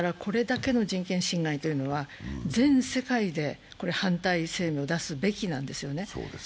本来だったらこれだけの人権侵害というのは全世界で反対声明を出すべきなんですよね。